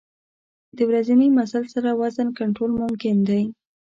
د ورځني مزل سره وزن کنټرول ممکن دی.